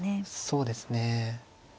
そうですね。